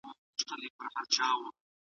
نظري پوښتنې باید د پدیدو د علتونو په اړه وي.